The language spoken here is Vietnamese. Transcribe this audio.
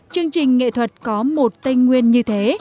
chương trình nghệ thuật có một tây nguyên như thế